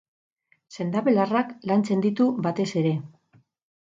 Sendabelarrak lantzen ditu batez ere.